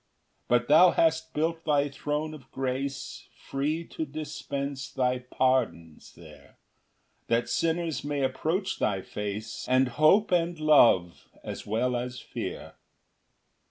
2 But thou hast built thy throne of grace, Free to dispense thy pardons there, That sinners may approach thy face, And hope and love, as well as fear.